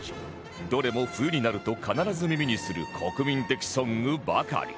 どれも冬になると必ず耳にする国民的ソングばかり